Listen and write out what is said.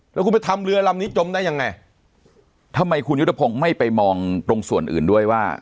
แล้วคุณไปทำเรือลำนี้จมได้ยังไงทำไมคุณยุทธพงศ์ไม่ไปมองตรงส่วนอื่นด้วยว่า